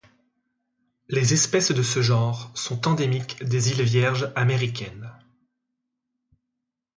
Les espèces de ce genre sont endémiques des îles Vierges américaines.